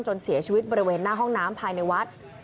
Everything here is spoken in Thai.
เสียชีวิตบริเวณหน้าห้องน้ำภายในวัด